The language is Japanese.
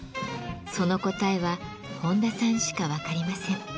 その答えは本多さんしか分かりません。